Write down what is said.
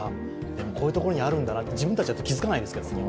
でもこういうところにあるんだなって自分たちだと気づかないですよね。